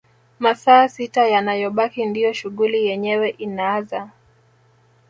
Masaa sita yanayobaki ndio shughuli yenyewe inaaza